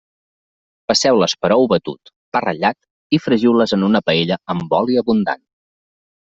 Passeu-les per ou batut, pa ratllat i fregiu-les en una paella amb oli abundant.